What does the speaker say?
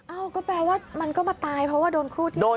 อ้าวก็แปลว่ามันก็มาตายเพราะว่าโดนคู่ที่เอาหน่อย